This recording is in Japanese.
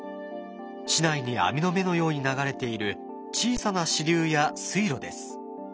市内に網の目のように流れている小さな支流や水路です。